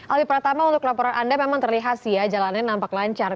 alwi pertama untuk laporan anda memang terlihat sih ya jalanannya nampak lancar